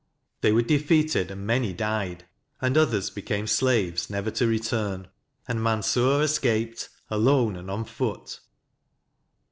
They were defeated, and many died, and others became slaves never to return ; and Mansur escaped alone and on foot.